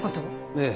ええ。